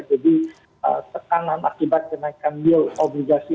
jadi tekanan akibat kenaikan yield obligasinya